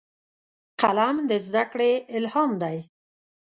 قلم د زدهکړې الهام دی